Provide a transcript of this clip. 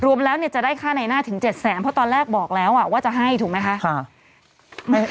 รวมแล้วจะได้ค่าในหน้าถึง๗แสนเพราะตอนแรกบอกแล้วว่าจะให้ถูกไหมคะ